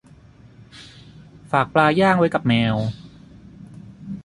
ฝากปลาย่างไว้กับแมว